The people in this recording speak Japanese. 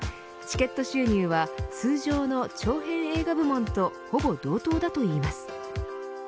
チケット収入は通常の長編映画部門とほぼ同等だといいます。